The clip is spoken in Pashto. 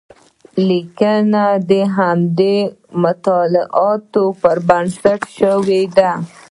لیکنه د همدې مطالعاتو پر بنسټ شوې ده.